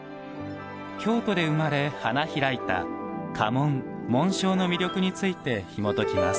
京都で生まれ、花開いた家紋・紋章の魅力についてひもときます。